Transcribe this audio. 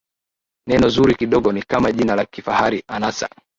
neno zuri kidogo ni kama jina la kifahari anasa